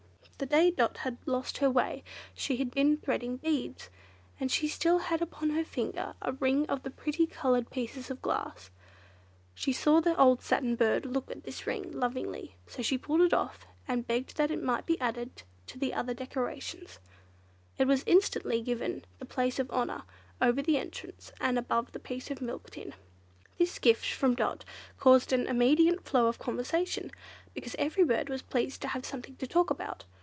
The day Dot had lost her way she had been threading beads, and she still had upon her finger a ring of the pretty coloured pieces of glass. She saw the old Satin Bird look at this ring longingly, so she pulled it off, and begged that it might be added to the other decorations. It was instantly given the place of honour—over the entrance and above the piece of milk tin. This gift from Dot caused an immediate flow of conversation, because every bird was pleased to have something to talk about.